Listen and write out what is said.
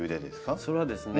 それはですね